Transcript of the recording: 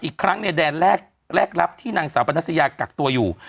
อีกครั้งเนี่ยแดนแรกรับที่นางสาวปนัสยากักตัวอยู่